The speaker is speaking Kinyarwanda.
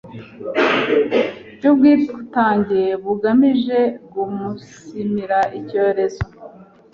by’ubwitange bugamije guumunsimira icyorezo